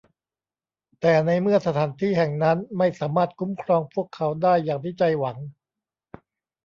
แต่ในเมื่อสถานที่แห่งนั้นไม่สามารถคุ้มครองพวกเขาได้อย่างที่ใจหวัง